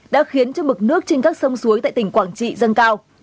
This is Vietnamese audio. đã khiến cho mực nước trên các sông suối tại tỉnh quảng trị dâng cao